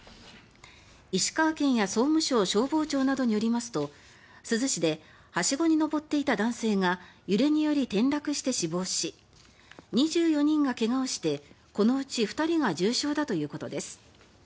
石川県や総務省消防庁などによりますと珠洲市ではしごに上っていた男性が揺れにより転落して死亡し２４人が怪我をしてこのうち２人が重傷だということです。